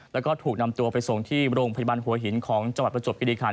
แล้วก็ถูกนำตัวไปส่งที่โรงพยาบาลหัวหินของจังหวัดประจวบกิริคัน